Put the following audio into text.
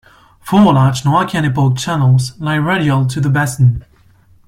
Four large Noachian epoch channels lie radial to the basin.